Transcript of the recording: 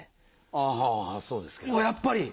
あぁそうですけど。やっぱり！